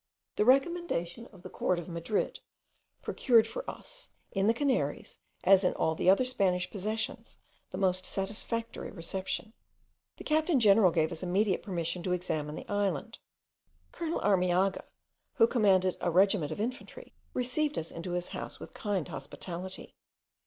The recommendation of the court of Madrid procured for us, in the Canaries, as in all the other Spanish possessions, the most satisfactory reception. The captain general gave us immediate permission to examine the island. Colonel Armiaga, who commanded a regiment of infantry, received us into his house with kind hospitality.